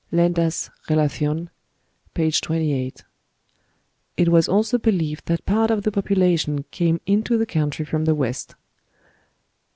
(Landa's "Relacion," p. 28.) "It was also believed that part of the population came into the country from the West.